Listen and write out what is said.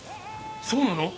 そうなの！？